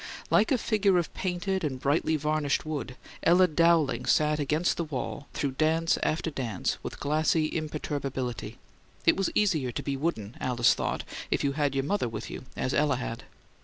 Like a figure of painted and brightly varnished wood, Ella Dowling sat against the wall through dance after dance with glassy imperturbability; it was easier to be wooden, Alice thought, if you had your mother with you, as Ella had.